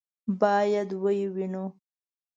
باید ویې وینو.